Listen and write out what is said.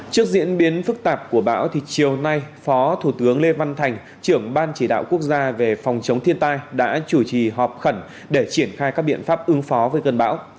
trước diễn biến phức tạp của bão chiều nay phó thủ tướng lê văn thành trưởng ban chỉ đạo quốc gia về phòng chống thiên tai đã chủ trì họp khẩn để triển khai các biện pháp ứng phó với cơn bão